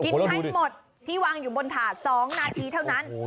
ให้หมดที่วางอยู่บนถาด๒นาทีเท่านั้น